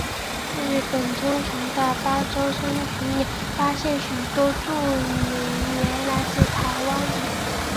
日本冲绳县的八重山群岛发现许多住民原来是台湾人。